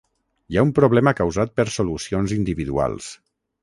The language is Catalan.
Hi ha un problema causat per solucions individuals.